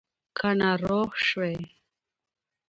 که ناروغ شوې